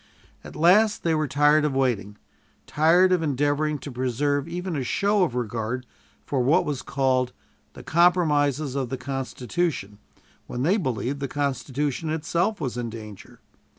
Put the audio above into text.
At last they were tired of waiting, tired of endeavoring to preserve even a show of regard for what was called "the compromises of the Constitution" when they believed the Constitution itself was in danger.